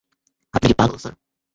আপনি কি পাগল, স্যার?